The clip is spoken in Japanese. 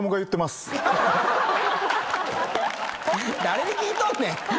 誰に聞いとんねん。